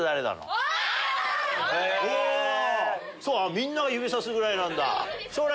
みんなが指さすぐらいなんだ。